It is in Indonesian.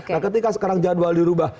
nah ketika sekarang jadwal dirubah